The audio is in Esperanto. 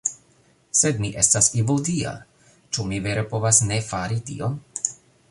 Sed mi estas Evildea... ĉu mi vere povas ne fari tion?